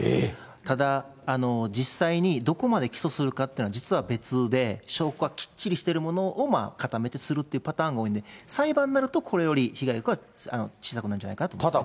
ただ、実際にどこまで起訴するかというのは、実は別で、証拠がきっちりしているものを固めてするというパターンが多いので、裁判になると、これより被害額は小さくなるんじゃないかと思います。